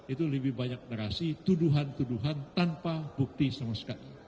itu lebih banyak narasi tuduhan tuduhan tanpa bukti sama sekali